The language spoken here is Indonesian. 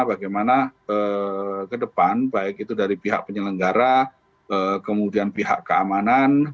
bagaimana ke depan baik itu dari pihak penyelenggara kemudian pihak keamanan